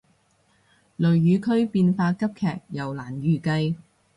雷雨區變化急劇又難預計